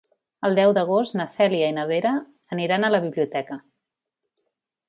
El deu d'agost na Cèlia i na Vera aniran a la biblioteca.